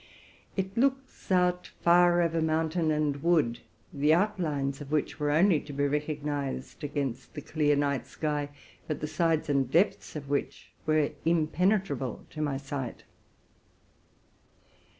It looks out far over mountain and wood, the outlines of which were only to be recognized against the clear night sky, but the sides and depths of which were impenetrable to my sight.